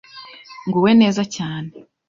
nguwe neza cyane,